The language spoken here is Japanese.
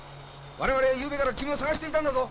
我々ゆうべから君を捜していたんだぞ！